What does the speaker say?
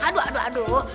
aduh aduh aduh